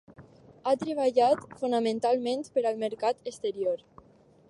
Ha treballat fonamentalment per al mercat exterior.